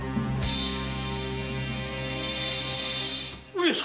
上様！